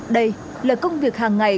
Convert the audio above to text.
đây là công việc hàng ngày